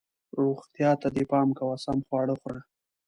روغتیا ته دې پام کوه ، سم خواړه خوره